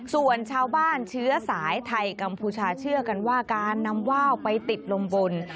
ส่วนชาวบ้านเชื้อสายไทยกัมพูชาเชื่อกันว่าการนำว่าวไปติดลมบน